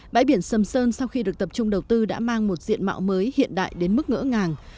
bãi biển sầm sơn sau khi được tập trung đầu tư đã mang một diện mạo mới hiện đại đến mức ngỡ ngàng